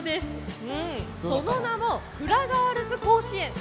その名もフラガールズ甲子園。